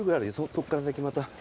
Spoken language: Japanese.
そこから先また。